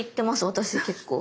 私結構。